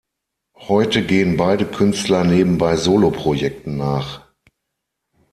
Heute gehen beide Künstler nebenbei Soloprojekten nach.